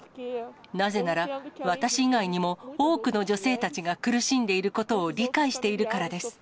なぜなら、私以外にも多くの女性たちが苦しんでいることを理解しているからです。